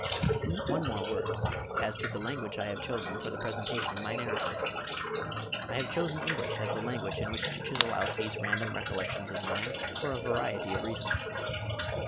One word more as to the language I have chosen for the presentation of my narrative. I have chosen English as the language in which to chisel out these random recollections of mine for a variety of reasons.